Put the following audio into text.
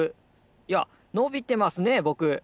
いやのびてますねぼく。